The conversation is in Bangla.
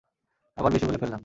আবার বেশি বলে ফেললাম।